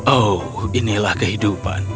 oh inilah kehidupan